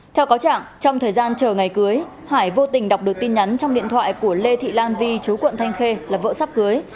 theo cáo trạng trong thời gian chờ ngày cưới hải vô tình đọc được tin nhắn trong điện thoại của lê thị lan vi chú quận thanh khê là vợ sắp cưới